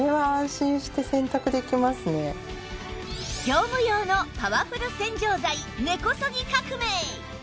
業務用のパワフル洗浄剤根こそぎ革命